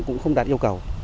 cũng không đạt yêu cầu